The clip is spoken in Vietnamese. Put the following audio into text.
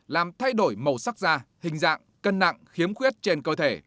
làm thay đổi màu sắc da hình dạng cân nặng khiếm khuyết trên cơ thể